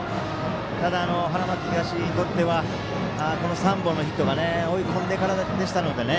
ただ、花巻東にとってはこの３本のヒットが追い込んでからでしたのでね。